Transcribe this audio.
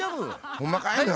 ほんまかいな？